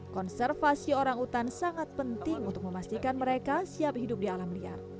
konservasi orang utan sangat penting untuk memastikan mereka siap hidup di alam liar